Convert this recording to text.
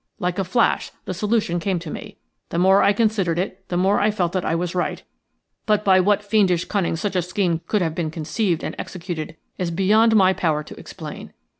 Like a flash the solution came to me. The more I considered it the more I felt that I was right; but by what fiendish cunning such a scheme could have been conceived and executed is still beyond my power to explain.